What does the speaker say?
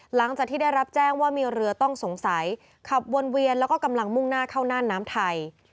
หลังจากที่ได้รับแจ้งว่ามีเรือต้องสงสัยขับวนเวียนแล้วก็กำลังมุ่งหน้าเข้าน่านน้ำไทย